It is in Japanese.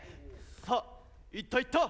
さあ行った行った。